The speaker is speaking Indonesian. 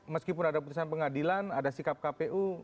meskipun ada putusan pengadilan ada sikap kpu